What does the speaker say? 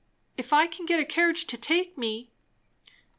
"If I can get a carriage to take me."